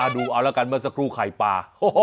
ดูเอาละกันเมื่อสักครู่ไข่ปลา